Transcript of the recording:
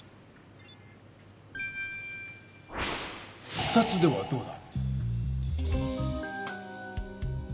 ２つではどうだ？